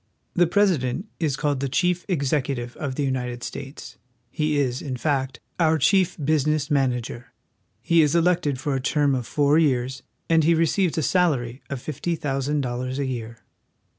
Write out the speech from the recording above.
The Pres ident is called theChief Execu tive of the United States. He is, in fact, our chief business manager. He is elected for a term of four years, and he receives a salary of fifty thousand dollars a year.